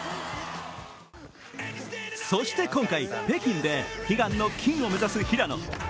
そして今回、北京で悲願の金を目指す平野。